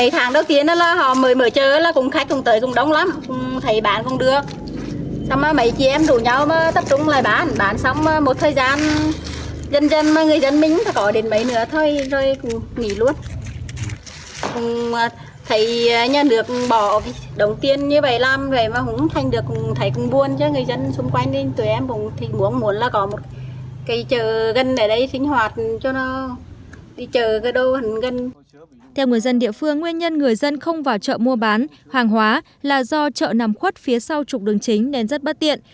theo người dân địa phương nguyên nhân người dân không vào chợ mua bán hoàng hóa là do chợ nằm khuất phía sau trục đường chính nên rất bất tiện